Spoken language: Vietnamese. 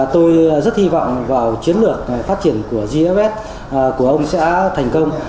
tôi rất hy vọng vào chiến lược phát triển của gfs của ông sẽ thành công